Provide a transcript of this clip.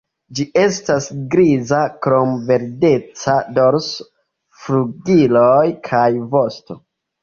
Ĝi estas griza, krom verdeca dorso, flugiloj kaj vosto.